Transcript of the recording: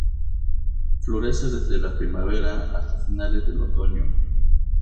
Florece desde la primavera hasta finales del otoño.